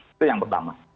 itu yang pertama